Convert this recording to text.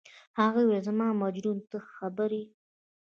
هغې وویل: زما مجنونه، ته خبر یې؟